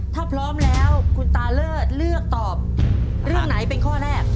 ถ้าพร้อมแล้วคุณตาเลิศเลือกตอบเรื่องไหนเป็นข้อแรก